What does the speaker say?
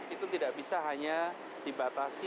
itu tidak bisa hanya dibatasi